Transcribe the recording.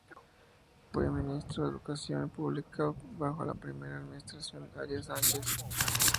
Fue Ministro de Educación Pública bajo la primera administración Arias Sánchez.